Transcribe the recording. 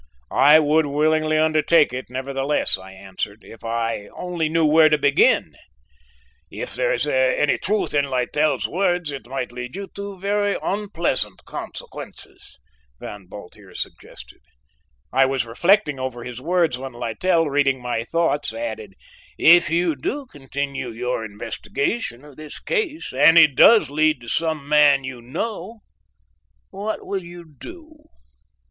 "I would willingly undertake it, nevertheless," I answered, "if I only knew where to begin." "If there is any truth in Littell's words, it might lead you to very unpleasant consequences," Van Bult here suggested. I was reflecting over his words, when Littell, reading my thoughts, added: "If you do continue your investigation of this case, and it does lead to some man you know, what will you do?"